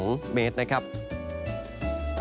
ข้ามไปฝั่งอันดามัน